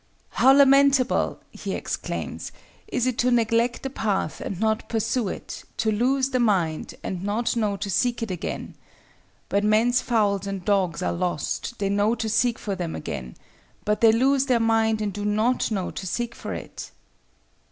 "How lamentable," he exclaims, "is it to neglect the path and not pursue it, to lose the mind and not know to seek it again! When men's fowls and dogs are lost, they know to seek for them again, but they lose their mind and do not know to seek for it."